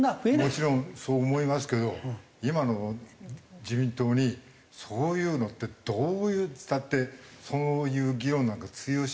もちろんそう思いますけど今の自民党にそういうのってどう言ったってそういう議論なんか通用しないんじゃないの？